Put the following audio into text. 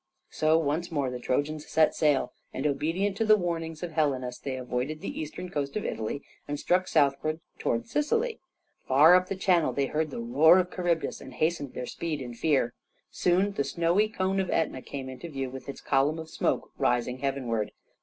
So once more the Trojans set sail, and obedient to the warnings of Helenus they avoided the eastern coast of Italy, and struck southward towards Sicily. Far up the channel they heard the roar of Charybdis and hastened their speed in fear. Soon the snowy cone of Etna came into view with its column of smoke rising heavenward.